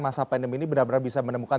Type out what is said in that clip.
masa pandemi ini benar benar bisa menemukan